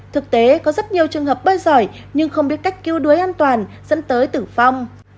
thực tế có rất nhiều trường hợp bơi giỏi nhưng không biết cách cứu đuối an toàn dẫn tới tử vong